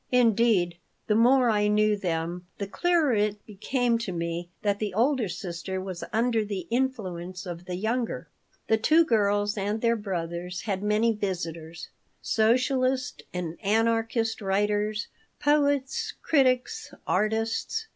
Indeed, the more I knew them the clearer it became to me that the older sister was under the influence of the younger The two girls and their brothers had many visitors socialist and anarchist writers, poets, critics, artists.